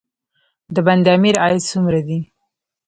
د بند امیر عاید څومره دی؟